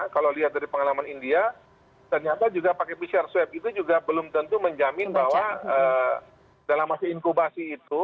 kalau lihat dari pengalaman india ternyata juga pakai pcr swab itu juga belum tentu menjamin bahwa dalam masa inkubasi itu